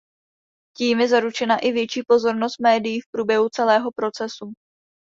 Tím je zaručena i větší pozornost médií v průběhu celého procesu.